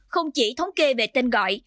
không chỉ thống kê về tên gọi